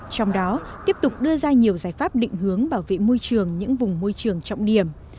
trong đó tiếp tục đưa ra nhiều giải pháp định hướng bảo vệ môi trường những vùng môi trường trọng điểm